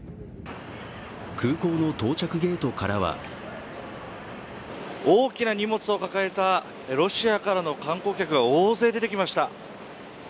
空港の到着ゲートからは大きな荷物を抱えたロシアからの観光客が大勢出てきました。